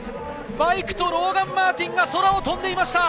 バイクとローガン・マーティンが空を飛んでいました。